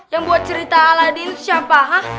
yang buat cerita aladin siapa hah